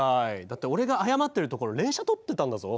だって俺が謝ってるところ連写撮ってたんだぞ。